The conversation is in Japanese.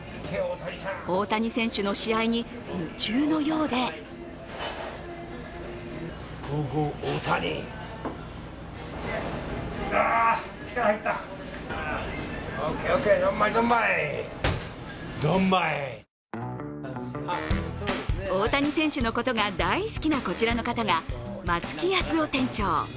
大谷選手の試合に夢中のようで大谷選手のことが大好きなこちらの方が松木保雄店長。